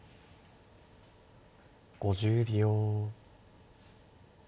５０秒。